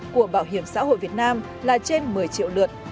của bảo hiểm xã hội việt nam là trên một mươi triệu lượt